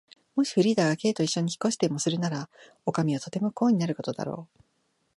もしフリーダが Ｋ といっしょに引っ越しでもするなら、おかみはとても不幸になることだろう。